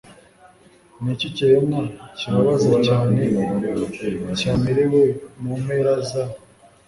Niki kiremwa kibabaza cyane cyaremewe mu mpera za